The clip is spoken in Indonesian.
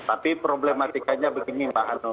tapi problematikanya begini pak anonim